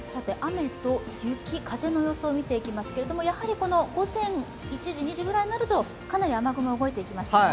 雨と雪、風の予想見ていきますがやはり午前１時、２時ぐらいになるとかなり雨雲動いてきますね。